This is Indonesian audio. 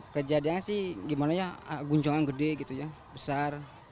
kejadiannya sih gimana ya gunjongan gede gitu ya besar